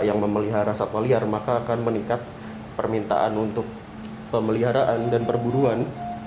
yang memelihara satwa liar maka akan meningkat permintaan untuk pemeliharaan dan perburuan